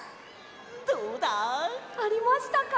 どうだ？ありましたか？